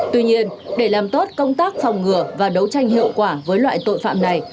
tuy nhiên để làm tốt công tác phòng ngừa và đấu tranh hiệu quả với loại tội phạm này